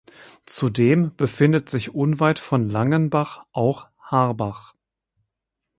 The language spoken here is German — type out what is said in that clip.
Zudem befindet sich unweit von Langenbach auch Harbach.